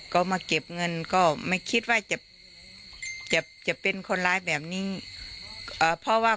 ก็มาเก็บเงินก็ไม่คิดว่าจะจะจะเป็นคนร้ายแบบนี้เพราะว่า